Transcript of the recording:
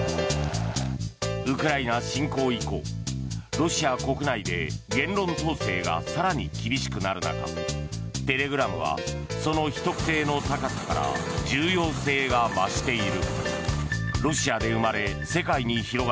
ウクライナ侵攻以降ロシア国内で言論統制が更に厳しくなる中テレグラムはその秘匿性の高さから重要性が増している。